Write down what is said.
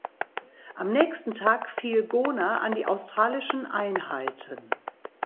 Am nächsten Tag fiel Gona an die australischen Einheiten.